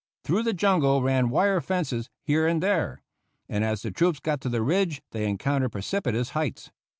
Through the jungle ran wire fences here and there, and as the troops got to the ridge they encountered precipitous heights.